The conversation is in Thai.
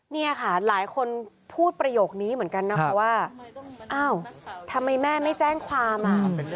เนี่ยค่ะหลายคนพูดประโยคนี้เหมือนกันนะคะว่าอ้าวทำไมแม่ไม่แจ้งความอ่ะ